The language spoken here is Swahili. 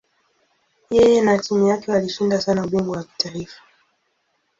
Yeye na timu yake walishinda sana ubingwa wa kitaifa.